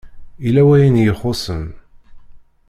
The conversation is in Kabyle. Yella wayen i ixuṣṣen.